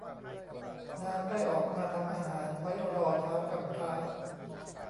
นางได้ออกมาทำอาหารไว้รอท้าวกำพร้า